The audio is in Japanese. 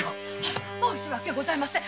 申し訳ございません。